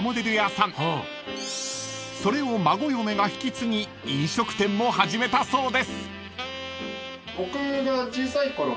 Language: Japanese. ［それを孫嫁が引き継ぎ飲食店も始めたそうです］